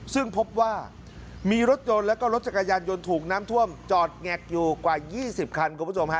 ซึ่งพบว่ามีรถยนต์แล้วก็รถจักรยานยนต์ถูกน้ำท่วมจอดแงกอยู่กว่า๒๐คันคุณผู้ชมฮะ